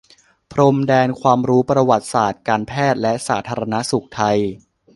พรมแดนความรู้ประวัติศาสตร์การแพทย์และสาธารณสุขไทย